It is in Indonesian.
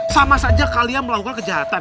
sama saja kalian melakukan kejahatan